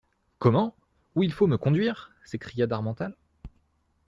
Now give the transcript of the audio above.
Comment ! où il faut me conduire ! s'écria d'Harmental.